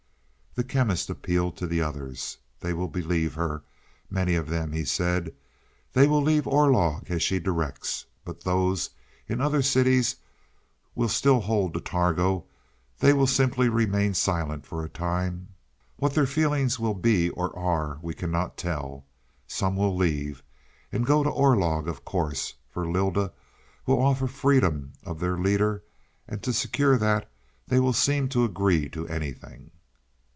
The Chemist appealed to the others. "They will believe her, many of them," he said. "They will leave Orlog as she directs. But those in other cities will still hold to Targo, they will simply remain silent for a time. What their feelings will be or are we cannot tell. Some will leave and go to Orlog of course, for Lylda will offer freedom of their leader and to secure that they will seem to agree to anything.